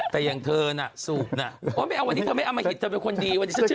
แต่อย่างเธอน่ะสูบน่ะเพราะวันนี้เธอไม่อมหิตเธอเป็นคนดีวันนี้ฉันชอบเธอ